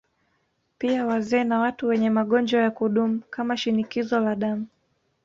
Pia wazee na watu wenye magonjwa ya kudumu kama Shinikizo la Damu